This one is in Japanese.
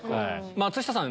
松下さん。